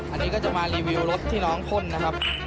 อันนี้ก็จะมารีวิวรถที่น้องพ่นนะครับ